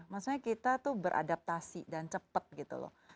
maksudnya kita tuh beradaptasi dan cepat gitu loh